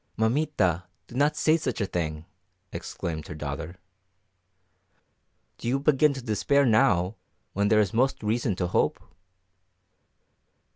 "Mamita, do not say such a thing!" exclaimed her daughter. "Do you begin to despair now when there is most reason to hope?"